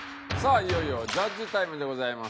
いよいよジャッジタイムでございます。